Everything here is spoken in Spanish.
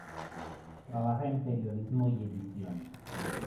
Trabaja en periodismo y edición.